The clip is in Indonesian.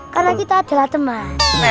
karena kita adalah teman